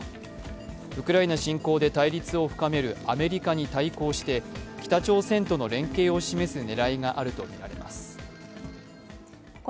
ウクライナ侵攻で対立を深めるアメリカに対抗して北朝鮮との連携を示す狙いがあるものとみられます。